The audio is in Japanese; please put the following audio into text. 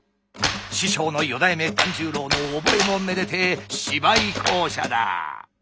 師匠の四代目團十郎の覚えもめでてえ芝居巧者だ。